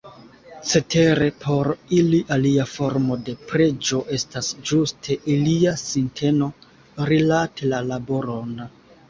Cetere por ili alia formo de preĝo estas ĝuste ilia sinteno rilate la laboron.